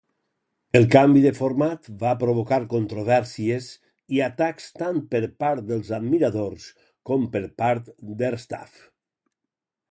El canvi de format va provocar controvèrsies i atacs tant per part dels admiradors com per part d'airstaff.